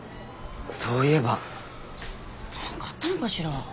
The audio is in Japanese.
そういえば何かあったのかしら？